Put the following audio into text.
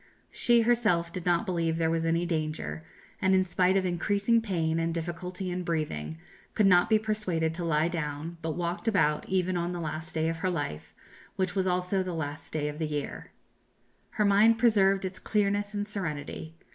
She herself did not believe there was any danger; and in spite of increasing pain and difficulty in breathing, could not be persuaded to lie down, but walked about even on the last day of her life, which was also the last day of the year. Her mind preserved its clearness and serenity.